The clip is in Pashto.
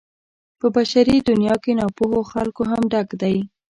په بشري دنيا کې ناپوهو خلکو هم ډک دی.